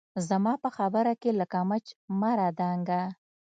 زما په خبره کښې لکه مچ مه رادانګه